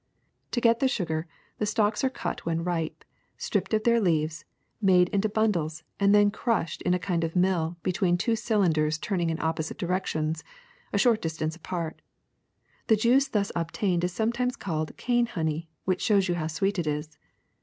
To get the sugar, the stalks are cut when ripe, stripped of their leaves, made into bundles, and then crushed, in a kind of mill, be tween two cylinders turning in opposite directions a short distance apart. The juice thus obtained is sometimes called cane honey, which shows you how sweet it is.